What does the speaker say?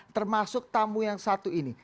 termasuk tamu yang satu ini